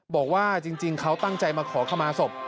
บอกว่าจริงเขาตั้งใจมาขอขมาศพ